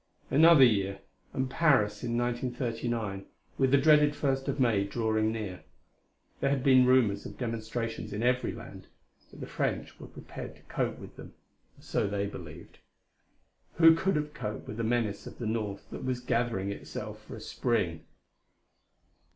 Another year and Paris, in 1939, with the dreaded First of May drawing near. There had been rumors of demonstrations in every land, but the French were prepared to cope with them or so they believed.... Who could have coped with the menace of the north that was gathering itself for a spring?